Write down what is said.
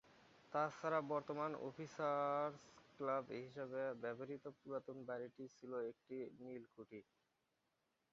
তাছাড়া বর্তমানে officers club হিসেবে ব্যবহৃত পুরাতন বাড়িটি ছিল একটি নীলকুঠি।